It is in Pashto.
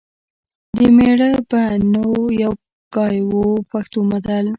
د مېړه به نو یو ګای و . پښتو متل